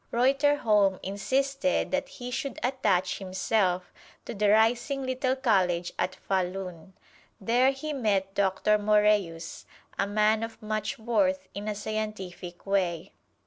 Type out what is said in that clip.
Reuterholm insisted that he should attach himself to the rising little college at Fahlun. There he met Doctor Moræus, a man of much worth in a scientific way.